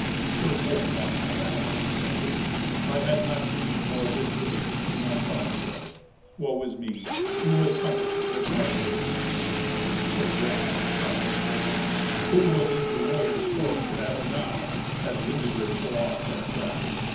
Sir Wolfwine of Amelung said, "I had not grieved more this day to see my father dead. Woe is me! Who will comfort the good Margravine?" Sir Wolfhart cried angrily, "Who will lead the warriors forth to battle now, as Rudeger so oft hath done.